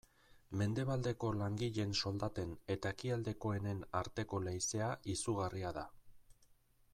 Mendebaldeko langileen soldaten eta ekialdekoenen arteko leizea izugarria da.